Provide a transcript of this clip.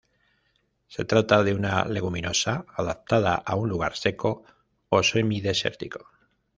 Se trata de una leguminosa adaptada a un lugar seco o semi-desertíco.